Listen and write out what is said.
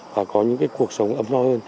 và có những cái cuộc sống ấm no hơn